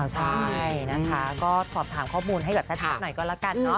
อ๋อใช่นะคะก็สอบถามข้อมูลให้แบบสัตว์ดีอาจหน่อยก่อนละกัน